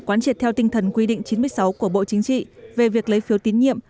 quán triệt theo tinh thần quy định chín mươi sáu của bộ chính trị về việc lấy phiếu tín nhiệm